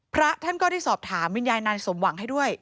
พระท่านก็ได้สอบถามวิญญาณนายสมหวังให้ด้วย